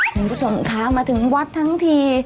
คุณผู้ชมคะมาถึงวัดทั้งที